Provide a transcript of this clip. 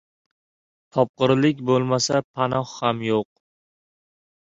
• Topqirlik bo‘lmasa, panoh ham yo‘q.